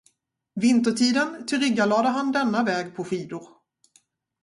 Vintertiden tillryggalade han denna väg på skidor.